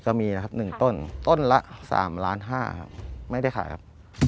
ก็มีนะครับ๑ต้นต้นละ๓ล้านห้าครับไม่ได้ขายครับ